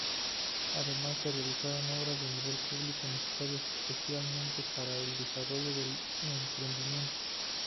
Además, se realizaron obras de nivel público necesarias especialmente para el desarrollo del emprendimiento.